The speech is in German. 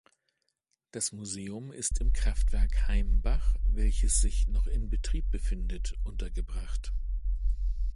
Das Museum ist im Kraftwerk Heimbach, welches sich noch in Betrieb befindet, untergebracht.